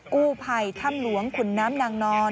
กู้ภัยถ้ำหลวงขุนน้ำนางนอน